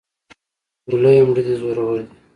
ګلې مړې دې زورور دي.